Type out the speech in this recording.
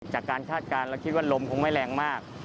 คาดการณ์เราคิดว่าลมคงไม่แรงมาก